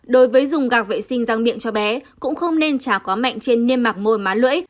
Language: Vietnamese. đối với dùng gạc vệ sinh răng miệng cho bé cũng không nên chả quá mạnh trên niêm mạc môi má lưỡi